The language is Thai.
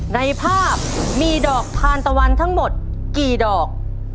ในภาพมีดอกทานตะวันทั้งหมดกี่ดอก